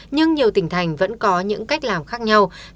nhưng nhiều tỉnh thành vẫn có những cách làm khác nhau